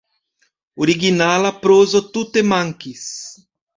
Originala prozo tute mankis.